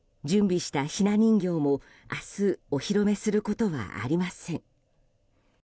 準備したひな人形も、明日お披露目することはありません。